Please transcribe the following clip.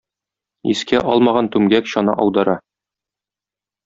Искә алмаган түмгәк чана аудара.